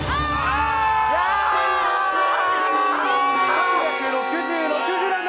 ３６６ｇ！